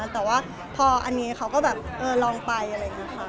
แต่ว่าพออันนี้เขาก็แบบเออลองไปอะไรอย่างนี้ค่ะ